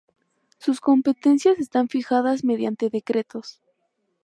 Sus competencias están fijadas mediante decretos.